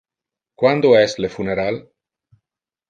Quando es le funeral?